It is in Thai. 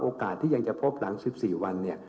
โอกาสที่ยังจะพบหลัง๑๔วัน